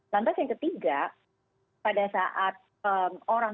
lantas yang ketiga pada saat orang